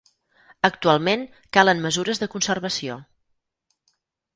Actualment calen mesures de conservació.